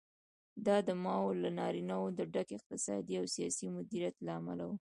دا د ماوو له ناورینه د ډک اقتصادي او سیاسي مدیریت له امله و.